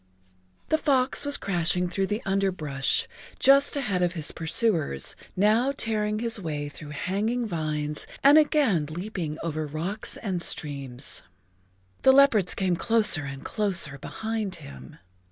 The fox was crashing through the[Pg 21] underbrush just ahead of his pursuers, now tearing his way through hanging vines and again leaping over rocks and streams. The leopards came closer and closer behind him.